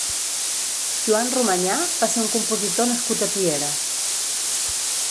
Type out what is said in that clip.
Joan Romanyà va ser un compositor nascut a Piera.